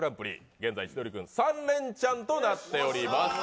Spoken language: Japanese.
現在、千鳥軍３レンチャンとなっております。